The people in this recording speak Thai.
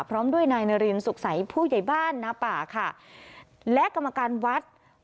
พร้อมด้วยนายนารินสุขใสผู้ใหญ่บ้านนาป่าค่ะและกรรมการวัด